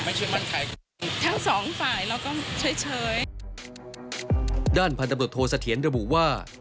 เชื่อมั่นใครทั้งสองฝ่ายเราก็เฉยเฉยด้านพันธบทโทสะเทียนระบุว่า